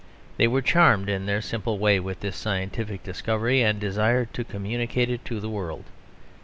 They were charmed, in their simple way, with this scientific discovery, and desired to communicate it to the world.